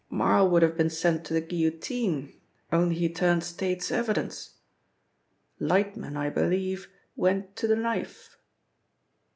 Marl would have been sent to the guillotine, only he turned State's evidence. Lightman, I believe, went to the knife."